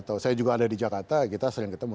tahu saya juga ada di jakarta kita sering ketemu